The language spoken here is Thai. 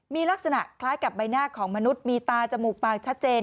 มีลักษณะคล้ายกับใบหน้าของมนุษย์มีตาจมูกปากชัดเจน